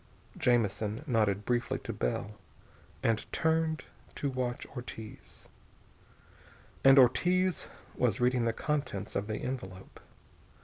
Jamison nodded briefly to Bell, and turned to watch Ortiz. And Ortiz was reading the contents of the envelope.